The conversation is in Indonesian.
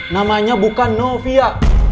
namanya bukan novia